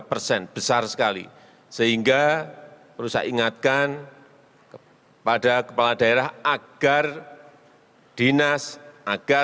mengenai penyumbang stunting